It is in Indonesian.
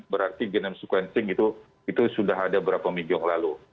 berarti genome sequencing itu sudah ada berapa minggu lalu